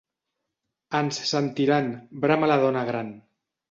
Ens sentiran —brama la dona gran.